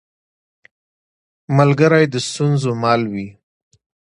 ملګری د ستونزو مل وي